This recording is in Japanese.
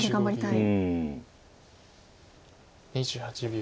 ２８秒。